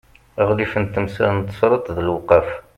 aɣlif n temsal n tesreḍt d lewqaf